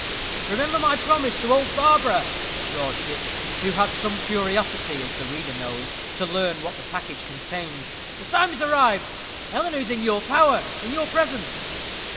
"Remember my promise to old Barbara," roared Dick, who had some curiosity, as the reader knows, to learn what the package contained. "The time is arrived. Eleanor is in your power in your presence."